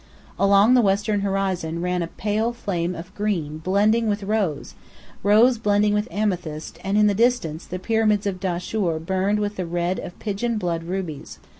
Along the western horizon ran a pale flame of green blending with rose, rose blending with amethyst, and in the distance the Pyramids of Dahshur burned with the red of pigeon blood rubies.